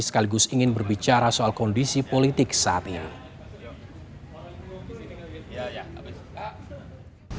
sekaligus ingin berbicara soal kondisi politik saat ini